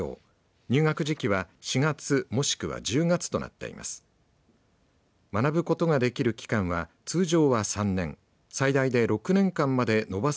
入学時期は４月もしくは１０月となっています。